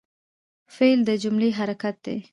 فعل د جملې حرکت دئ.